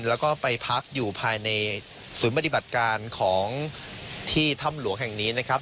แล้วก็ไปพักอยู่ภายในศูนย์ปฏิบัติการของที่ถ้ำหลวงแห่งนี้นะครับ